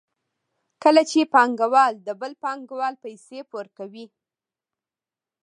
کله چې پانګوال د بل پانګوال پیسې پور کوي